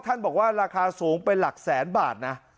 ท่านบอกว่าราคาสูงไปหลักแสนบาทนะ